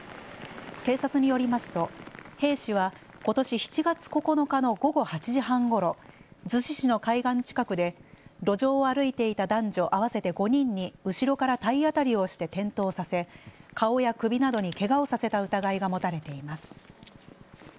警察によりますと兵士はことし７月９日の午後８時半ごろ、逗子市の海岸近くで路上を歩いていた男女合わせて５人に後ろから体当たりをして転倒させ、顔や首などにけがをさせた疑いが持たれています。